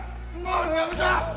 もうやめた！